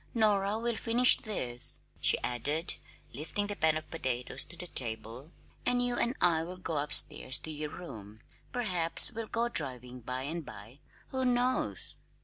Nora will finish these," she added, lifting the pan of potatoes to the table, "and you and I will go upstairs to your room. Perhaps we'll go driving by and by. Who knows?"